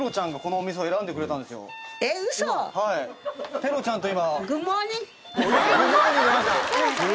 ペロちゃんと今。